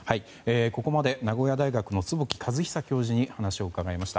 ここまで、名古屋大学の坪木和久教授にお話を伺いました。